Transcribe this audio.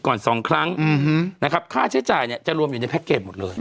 สองครั้งนะครับค่าใช้จ่ายเนี่ยจะรวมอยู่ในแค็กเกจหมดเลย